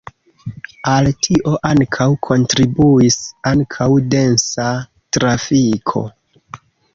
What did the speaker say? Al tio ankaŭ kontribuis ankaŭ densa trafiko.